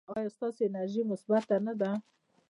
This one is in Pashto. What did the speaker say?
ایا ستاسو انرژي مثبت نه ده؟